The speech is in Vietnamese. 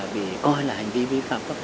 bị coi là hành vi vi phạm